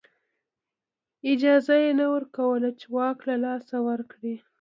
اجازه یې نه ورکوله چې واک له لاسه ورکړي